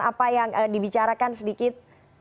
apa yang dibicarakan sedikit